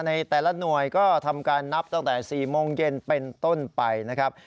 ในแต่ละหน่วยก็ทำการนับตั้งแต่๔โมงเย็นเป็นต้นไปนะครับ